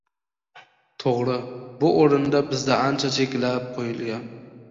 To‘g‘ri, bu o‘rinda bizda ancha cheklab qo‘yilgan